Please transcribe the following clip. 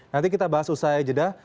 nanti kita bahas usai jeda